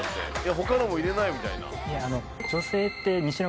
「他のも入れなよ」みたいな。